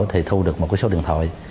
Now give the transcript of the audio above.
thì thu được một số điện thoại